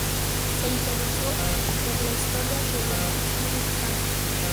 Se interesó por la historia de la medicina mexicana.